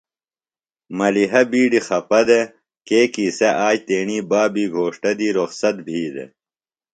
ملِیحہ بِیڈیۡ خپہ دےۡ کیکیۡ سےۡ آج تیݨی بابی گھوݜٹہ دی رخصت بھی دےۡ۔